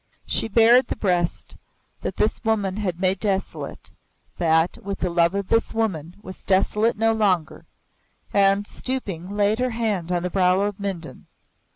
She bared the breast that this woman had made desolate that, with the love of this woman, was desolate ho longer, and, stooping, laid her hand on the brow of Mindon.